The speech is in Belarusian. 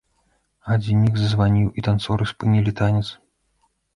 Гадзіннік зазваніў, і танцоры спынілі танец.